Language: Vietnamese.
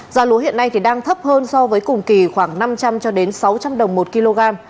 giá lúa hiện nay đang thấp hơn so với cùng kỳ khoảng năm trăm linh cho đến sáu trăm linh đồng một kg